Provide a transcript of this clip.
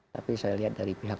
tapi saya lihat dari pihak